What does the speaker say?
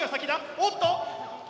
おっと！